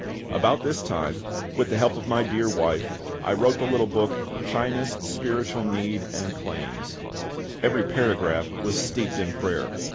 About this time, with the help of my dear wife, I wrote the little book, China's Spiritual Need and Claims. Every paragraph was steeped in prayer.